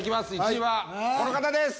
１位はこの方です！